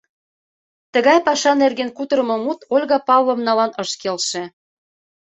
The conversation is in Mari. Тыгай паша нерген кутырымо мут Ольга Павловналан ыш келше: